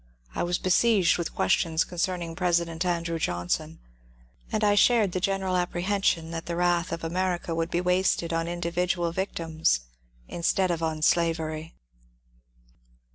I was besieged with questions concerning President Andrew Johnson, and I shared the gen eral apprehension that the wrath of America would be wasted on individual victims instead of on slavery.